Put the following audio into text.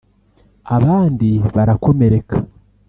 abandi barakomereka